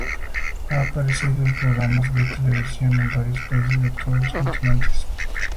Ha aparecido en programas de televisión en varios países de todos los continentes.